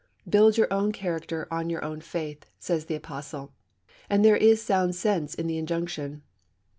Build your own character on your own faith, says the apostle; and there is sound sense in the injunction.